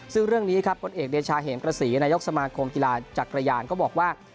ซึ่งเรื่องนี้ครับผลเอกเดชาเหมกระศรีนายกสมาคมกีฬาจักรยานก็บอกว่า